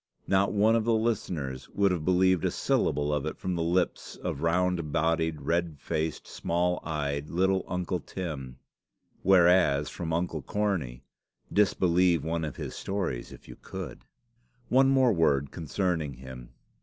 Not one of the listeners would have believed a syllable of it from the lips of round bodied, red faced, small eyed, little Uncle Tim; whereas from Uncle Cornie disbelieve one of his stories if you could! One word more concerning him.